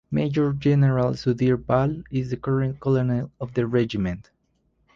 Major General Sudhir Bahl is the current Colonel of the Regiment.